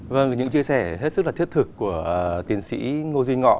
vâng những chia sẻ hết sức là thiết thực của tiến sĩ ngô duy ngọ